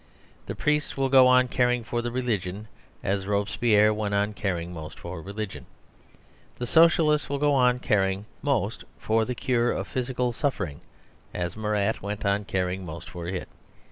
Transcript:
The priests will go on caring most for religion, as Robespierre went on caring most for religion. The Socialists will go on caring most for the cure of physical suffering, as Marat went on caring most for it.